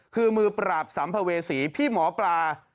คือมือปราบสัมภเวษีพี่หมอปลา